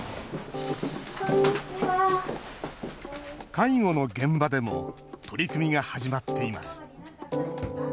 介護の現場でも取り組みが始まっています。